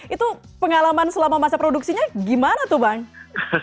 itu pengalaman selama masa produksinya gimana tuh bang